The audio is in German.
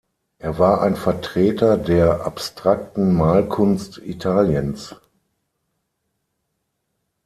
Er war ein Vertreter der Abstrakten Malkunst Italiens.